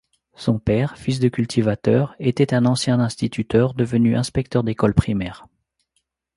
Son père, fils de cultivateur était un ancien instituteur devenu inspecteur d’école primaire.